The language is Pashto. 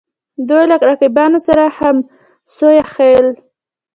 دوی له رقیبانو سره همسویه ښييل